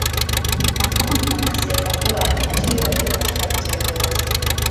na kwamba mwanasiasa huyo ameachiwa bila masharti yoyote